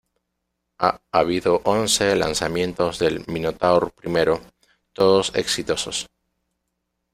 Ha habido once lanzamientos del Minotaur I, todos exitosos.